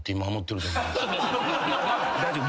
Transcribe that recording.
大丈夫。